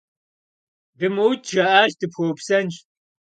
Думыукӏ, - жаӏащ,- дыпхуэупсэнщ.